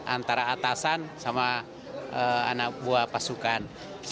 antara atasan sama anak buah pasukan